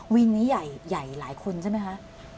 วินนี้ใหญ่หลายคนใช่ไหมคะ